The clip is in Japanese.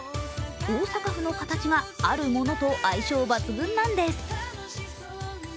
大阪府の形があるものと相性抜群なんです。